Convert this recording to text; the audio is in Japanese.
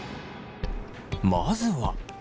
まずは。